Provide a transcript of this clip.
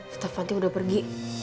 stefanti udah pergi